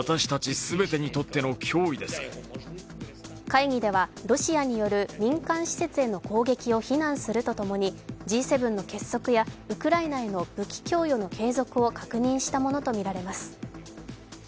会議ではロシアによる民間施設への攻撃を非難すると共に、非難するとともにＧ７の結束やウクライナへの武器供与の継続を確認したものとみられます。